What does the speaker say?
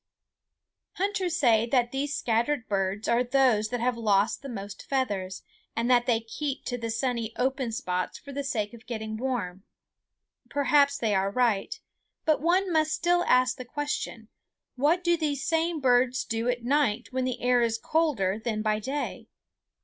Hunters say that these scattered birds are those that have lost the most feathers, and that they keep to the sunny open spots for the sake of getting warm. Perhaps they are right; but one must still ask the question, what do these same birds do at night when the air is colder than by day?